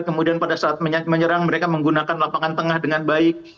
kemudian pada saat menyerang mereka menggunakan lapangan tengah dengan baik